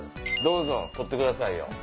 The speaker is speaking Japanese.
どうぞ撮ってくださいよ！